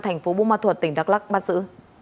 thành phố buôn ma thuật tỉnh đắk lắc bắt giữ